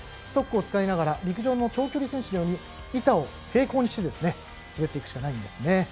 ストックを使いながら陸上の長距離選手のように板を平行にして滑っていくしかないんですね。